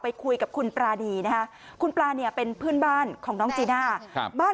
คุยกับคุณปรานีนะคะคุณปราเนี่ยเป็นเพื่อนบ้านของน้องจีน่าบ้าน